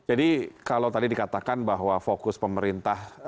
jadi kalau tadi dikatakan bahwa fokus pemerintah beralih kepada